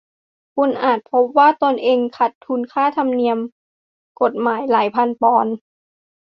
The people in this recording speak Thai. คุณอาจจะพบว่าตนเองขาดทุนค่าธรรมเนียมกฎหมายหลายพันปอนด์